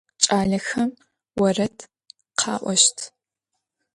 Ç'alexem vored kha'oşt.